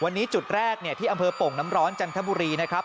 วันนี้จุดแรกที่อำเภอโป่งน้ำร้อนจันทบุรีนะครับ